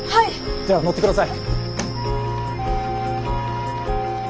じゃあ乗って下さい。